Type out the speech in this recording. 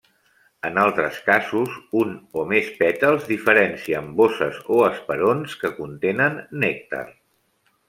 En altres casos, un o més pètals diferencien bosses o esperons que contenen nèctar.